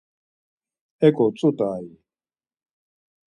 Heǩo ç̌ut̆ai?